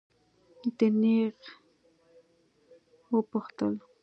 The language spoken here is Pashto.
ده نېغ وپوښتل.